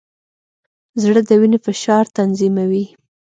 زړه د وینې فشار تنظیموي.